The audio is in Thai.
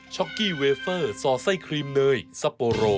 ็อกกี้เวเฟอร์สอดไส้ครีมเนยซัปโปโร